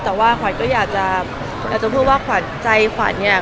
แต่ว่าขวัญก็อยากจะพูดว่าขวัญใจขวัญเนี่ย